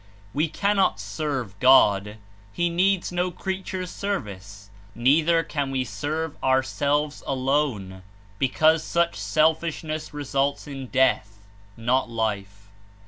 We cannot serve God: He needs no creatures' serv ice. Neither can we serve ourselves alone, because such selfishness results in death, not life.